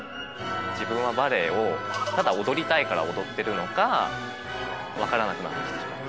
自分はバレエをただ踊りたいから踊ってるのか分からなくなってきてしまった。